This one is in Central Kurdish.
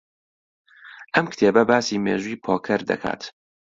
ئەم کتێبە باسی مێژووی پۆکەر دەکات.